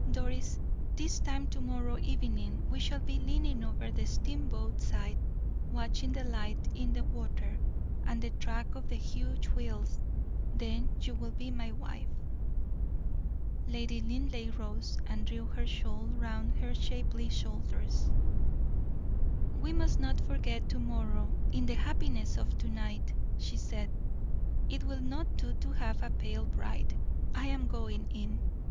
"Doris, this time to morrow evening we shall be leaning over the steamboat side, watching the light in the water, and the track of the huge wheels; then you will be my wife." Lady Linleigh rose and drew her shawl round her shapely shoulders. "We must not forget to morrow in the happiness of to night," she said; "it will not do to have a pale bride. I am going in."